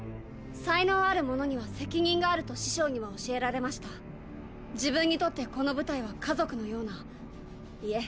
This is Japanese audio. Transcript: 才能ある者には責任があると師匠には教えられました自分にとってこの部隊は家族のようないえ